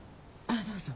ああどうぞ。